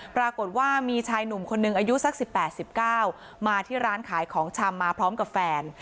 ปรากฏว่ามีชายหนุ่มคนหนึ่งอายุสัก๑๘๑๙มาที่ร้านขายของชำมาพร้อมกับแฟน